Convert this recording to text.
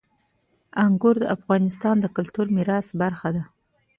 انګور د افغانستان د کلتوري میراث برخه ده.